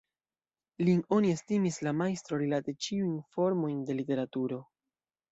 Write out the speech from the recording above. Lin oni estimis la majstro rilate ĉiun formojn de literaturo.